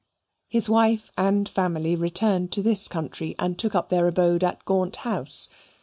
His wife and family returned to this country and took up their abode at Gaunt House.